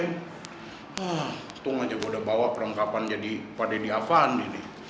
ketung aja gue udah bawa perengkapan jadi pak denny avandi nih